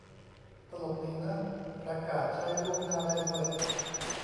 ตลกดีเนอะ ประกาศใช้ล่วงหน้าได้ด้วย